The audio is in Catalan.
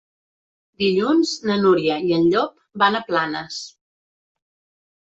Dilluns na Núria i en Llop van a Planes.